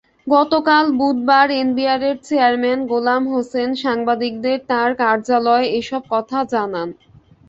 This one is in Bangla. গতকাল বুধবার এনবিআরের চেয়ারম্যান গোলাম হোসেন সাংবাদিকদের তাঁর কার্যালয়ে এসব কথা জানান।